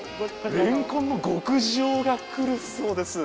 れんこんの極上がくるそうです。